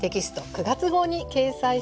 ９月号に掲載しています。